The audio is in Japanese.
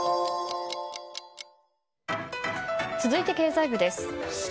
続いて、経済部です。